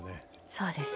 そうです。